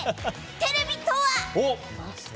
テレビとは。